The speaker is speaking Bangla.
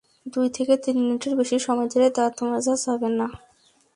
দুই থেকে তিন মিনিটের বেশি সময় ধরে দাঁত মাজা যাবে না।